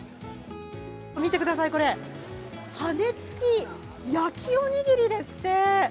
見てください、これ羽根つき焼きおにぎりですって。